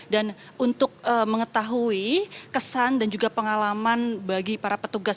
untuk mengetahui kesan dan juga pengalaman bagi para petugas